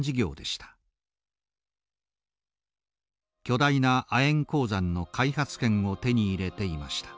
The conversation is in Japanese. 巨大な亜鉛鉱山の開発権を手に入れていました。